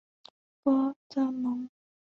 博泽蒙。